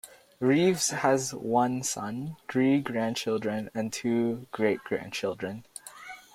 Reeves has one son, three grandchildren and two great-grandchildren.